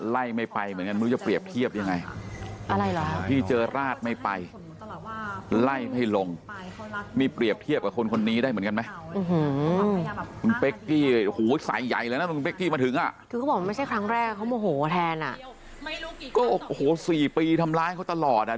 หรือแม้ก็กระชาโขงโนยด์นะคะ